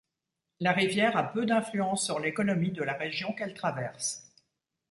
La rivière a peu d'influence sur l'économie de la région qu'elle traverse.